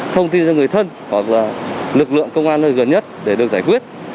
thông tin cho người thân hoặc là lực lượng công an nơi gần nhất để được giải quyết